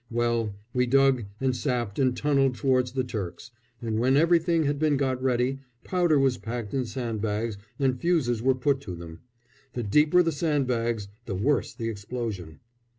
Well, we dug and sapped and tunnelled towards the Turks, and when everything had been got ready, powder was packed in sandbags and fuses were put to them. The deeper the sandbags the worse the explosion.